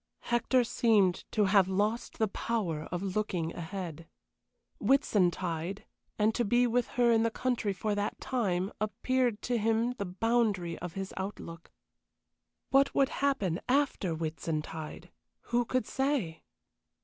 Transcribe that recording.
Hector seemed to have lost the power of looking ahead. Whitsuntide, and to be with her in the country for that time, appeared to him the boundary of his outlook. What would happen after Whitsuntide? Who could say?